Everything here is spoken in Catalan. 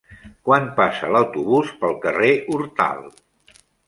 Quan passa l'autobús pel carrer Hortal?